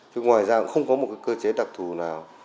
chứ ngoài ra không có một cơ chế đặc thù nào